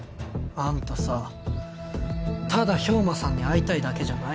あんたさただ兵馬さんに会いたいだけじゃないの？